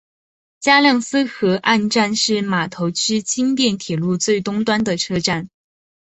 加量斯河岸站是码头区轻便铁路最东端的车站。